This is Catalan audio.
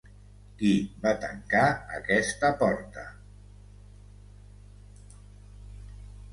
Qui va tancar aquesta porta?